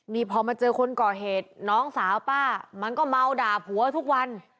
นี่พอมาเจอคนก่อเหตุน้องสาวป้ามันก็เมาด่าผัวทุกวัน